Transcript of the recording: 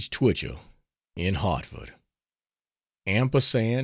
Twichell, in Hartford: AMPERSAND, N.